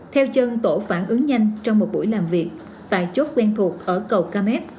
theo chân tổ phản ứng nhanh trong một buổi làm việc tại chốt quen thuộc ở cầu campec